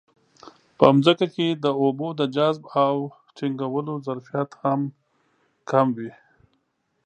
په ځمکه کې د اوبو د جذب او ټینګولو ظرفیت هم کم وي.